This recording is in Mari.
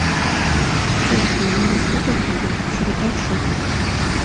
— Шешке, ынде шукак йӱым, срӧпат шоктыш.